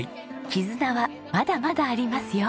絆はまだまだありますよ。